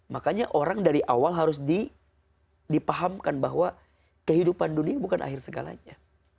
makanya orang dari awal harus dipahamkan bahwa kehidupan dunia bukan akhir segalanya